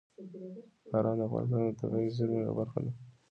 باران د افغانستان د طبیعي زیرمو یوه برخه ده.